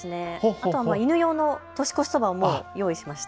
あとは犬用の年越しそばを用意しました。